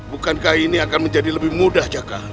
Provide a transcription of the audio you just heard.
bukankah ini akan menjadi lebih mudah jakarta